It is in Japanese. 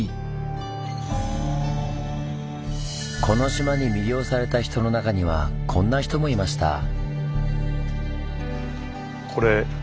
この島に魅了された人の中にはこんな人もいました。